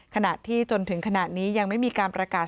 ขณะที่จนถึงขณะนี้ยังไม่มีการประกาศ